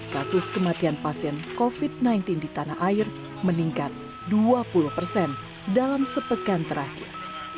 kasus kematian pasien covid sembilan belas di tanah air meningkat dua puluh persen dalam sepekan terakhir